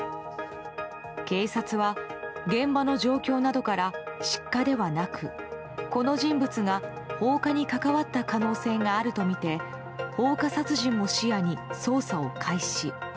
警察は、現場の状況などから失火ではなくこの人物が放火に関わった可能性があるとみて放火殺人も視野に捜査を開始。